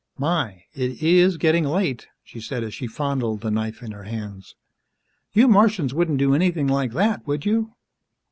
"My, it is getting late," she said as she fondled the knife in her hands. "You Martians wouldn't do anything like that, would you?"